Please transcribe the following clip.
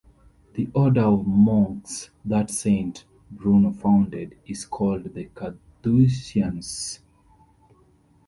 The order of monks that Saint Bruno founded is called the Carthusians.